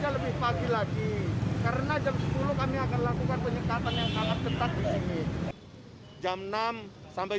kita lebih pagi lagi karena jam sepuluh kami akan lakukan penyekatan yang sangat ketat di sini